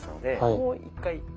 もう一回。